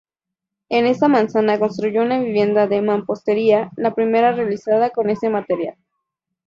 En esa manzana construyó una vivienda de mampostería, la primera realizada con ese material.